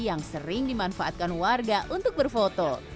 yang sering dimanfaatkan warga untuk berfoto